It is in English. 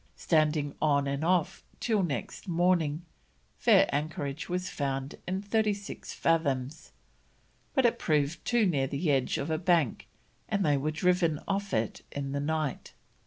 Standing on and off till next morning, fair anchorage was found in thirty six fathoms, but it proved too near the edge of a bank, and they were driven off it in the night.